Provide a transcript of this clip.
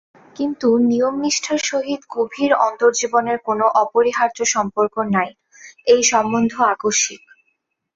কিন্তু নিয়মনিষ্ঠার সহিত গভীর অন্তর্জীবনের কোন অপরিহার্য সম্পর্ক নাই, এই সম্বন্ধ আকস্মিক।